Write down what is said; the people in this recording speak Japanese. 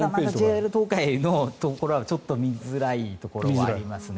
ＪＲ東海のは、ちょっと見づらいところはありますね。